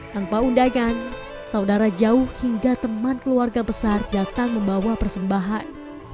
tanpa undangan saudara jauh hingga teman keluarga besar datang membawa persembahan